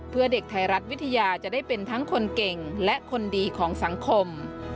เพื่อเด็กไทยรัฐวิทยาจะได้เป็นทั้งคนเก่งและคนดีของสังคม